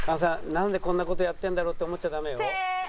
なんでこんな事やってるんだろうって思っちゃダメよ。